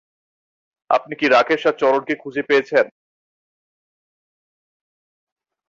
আপনি কি রাকেশ আর চরণকে খুঁজে পেয়েছেন?